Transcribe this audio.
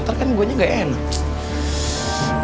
ntar kan gue nya gak enak